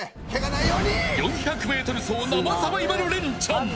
４００ｍ走生サバイバルレンチャン。